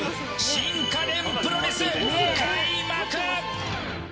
新家電プロレス、開幕！